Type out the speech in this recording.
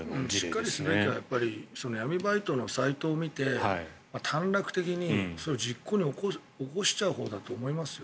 しっかりすべきは闇バイトのサイトを見て短絡的に実行に起こしちゃうほうだと思いますよ。